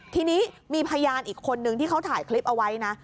ทีนี้มีพยานอีกคนนึงที่เขาถ่ายคลิปเอาไว้นะ